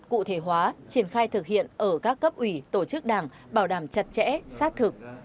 cụ thể hóa triển khai thực hiện ở các cấp ủy tổ chức đảng bảo đảm chặt chẽ sát thực